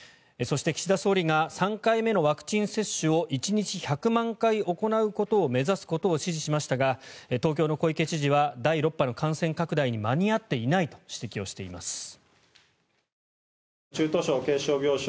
そして、岸田総理が３回目のワクチン接種を１日１００万回行うことを目指すことを指示しましたが東京の小池知事は第６波の感染拡大に間に合っていないと指摘しています。